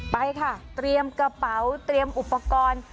ไปค่ะเตรียมกระเป๋าเตรียมอุปกรณ์